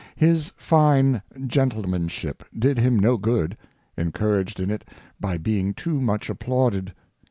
His fine Gentlemanship did him no Good, encouraged in it by being too much applauded.